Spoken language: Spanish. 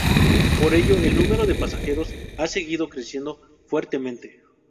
Por ello, el número de pasajeros ha seguido creciendo fuertemente.